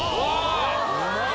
うまい！